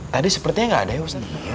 tadi sepertinya gak ada ya ustadz